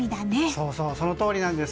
そうそう、そのとおりなんです。